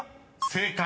［正解。